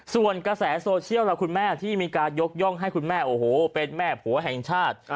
ส่วนกระแสโซเชียลล่ะคุณแม่ที่มีการยกย่องให้คุณแม่โอ้โหเป็นแม่ผัวแห่งชาติ